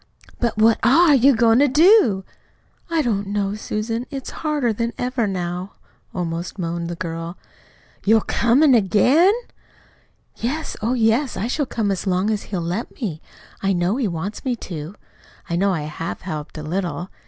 "But what ARE you goin' to do?" "I don't know, Susan. It's harder than ever now," almost moaned the girl. "You're COMIN' AGAIN?" "Yes, oh, yes. I shall come as long as he'll let me. I know he wants me to. I know I HAVE helped a little.